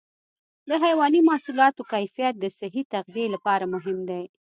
د حيواني محصولاتو کیفیت د صحي تغذیې لپاره مهم دی.